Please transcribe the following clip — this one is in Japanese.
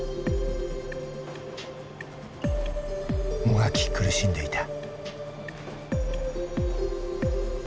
もがき苦しんでいた。